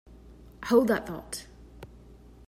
Hold that thought.